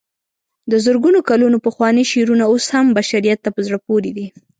د زرګونو کلونو پخواني شعرونه اوس هم بشریت ته په زړه پورې دي.